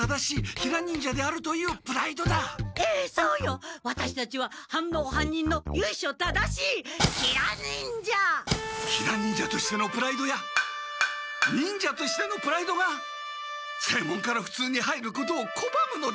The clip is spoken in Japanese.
ヒラ忍者としてのプライドや忍者としてのプライドが正門からふつうに入ることをこばむのだ。